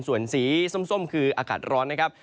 ส่วนสีส้มคืออากาศร้อนนะครับ